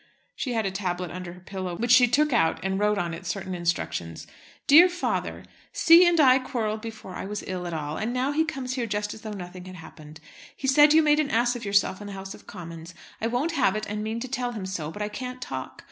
She had a tablet under her pillow, which she took out and wrote on it certain instructions. "Dear father, C. and I quarrelled before I was ill at all, and now he comes here just as though nothing had happened. He said you made an ass of yourself in the House of Commons. I won't have it, and mean to tell him so; but I can't talk.